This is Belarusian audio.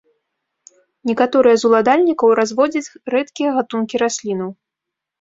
Некаторыя з уладальнікаў разводзяць рэдкія гатункі раслінаў.